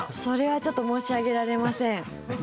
それはちょっと申し上げられません。